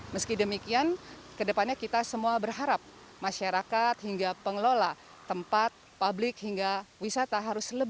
meski demikian kedepannya kita semua berharap masyarakat hingga pengelola tempat publik hingga wisata harus lebih